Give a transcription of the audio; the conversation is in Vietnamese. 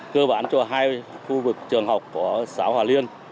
cơ bản cho hai khu vực trường học của xã hòa liên